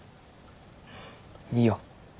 いいよ。